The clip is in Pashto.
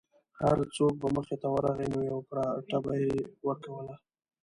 چې هر څوک به مخې ته ورغی نو یوه پراټه به یې ورکوله.